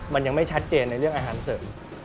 มันยังไม่ชัดเจนในเรื่องอาหารเสริม